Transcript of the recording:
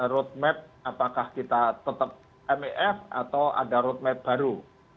roadmap apakah kita tetap mef atau ada roadmap baru